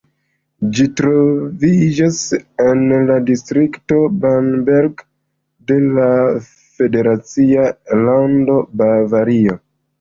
Ĝi troviĝas en la distrikto Bamberg de la federacia lando Bavario.